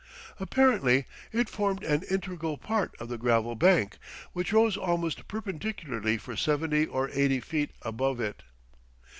Apparently it formed an integral part of the gravel bank, which rose almost perpendicularly for seventy or eighty feet above it.